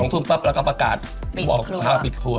๒ทุ่มปั๊บแล้วก็ประกาศปิดครัว